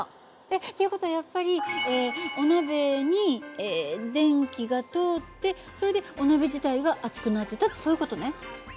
っていう事はやっぱりお鍋に電気が通ってそれでお鍋自体が熱くなってたってそういう事ね。